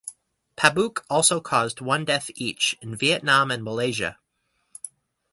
Pabuk also caused one death each in Vietnam and Malaysia.